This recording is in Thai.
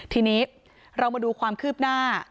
ทีนี้เรามาดูความคืบหน้า